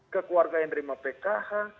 ke keluarga yang terima pkh